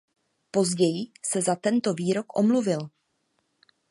Později se za tento výrok omluvil.